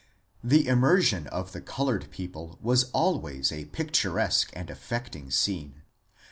The immersion of the coloured people was always a pictur esque and affecting scene.